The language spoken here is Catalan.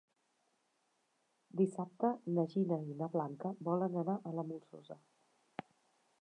Dissabte na Gina i na Blanca volen anar a la Molsosa.